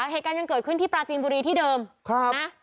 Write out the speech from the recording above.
เหตุการณ์ยังเกิดขึ้นที่ปราจีนบุรีที่เดิมนะ